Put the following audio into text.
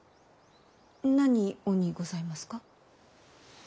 何をにございますか？